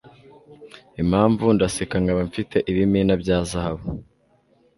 impamvu ndaseka nkaba mfite ibimina bya zahabu